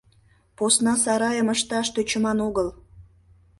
Посна сарайым ышташ тӧчыман огыл.